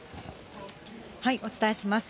お伝えします。